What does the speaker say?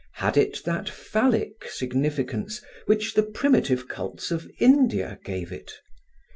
Had it that phallic significance which the primitive cults of India gave it?